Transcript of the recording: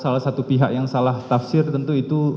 salah satu pihak yang salah tafsir tentu itu